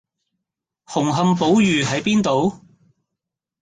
紅磡寶御喺邊度？